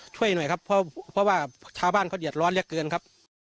ช่วยหน่อยครับเพราะว่าชาวบ้านเขาเดือดร้อนเหลือเกินครับ